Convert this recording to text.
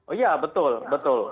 oh iya betul betul